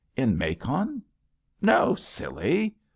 "In Macon?" "No, silly."